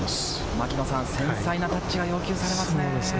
牧野さん、繊細なタッチが要求されますね。